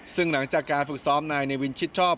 ซึ่งหลังจากการฝึกซ้อมนายเนวินชิดชอบ